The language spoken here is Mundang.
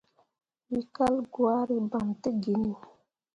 We kal gwari, bam tə genni.